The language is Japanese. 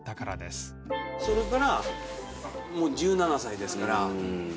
それからもう１７歳ですから。